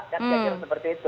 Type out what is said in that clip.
dan jangan seperti itu